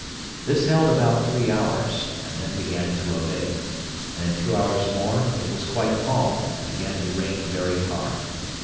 This held about three hours, and then began to abate; and in two hours more it was quite calm, and began to rain very hard.